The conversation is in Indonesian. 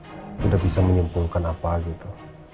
kira kira polisi udah bisa menyimpulkan apa gitu